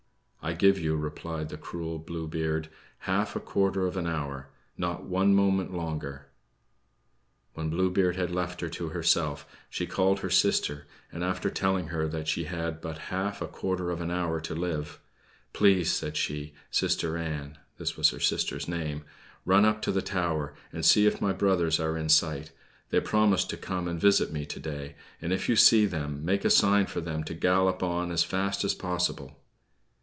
"I give you," replied the cruel Blue Beard, "half a quarter of an hour not one moment longer." When Bluebeard had left her to herself, she called her sister; and, after telling her that she had but half a quarter of an hour to live: "Please," said she, "Sister Ann" (this was her sister's name), "run up to the tower, and see if my brothers are in sight; they promised to come and visit me to day; and if you see them, make a sign for them to gallop on as fast as possible."